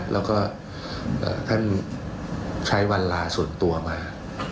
แล้วก็ท่านใช้วันลาส่วนตัวมา